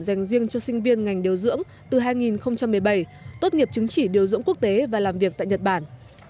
dành riêng cho sinh viên ngành điều dưỡng từ hai nghìn một mươi bảy tốt nghiệp chứng chỉ điều dưỡng quốc tế và làm việc tại nhật bản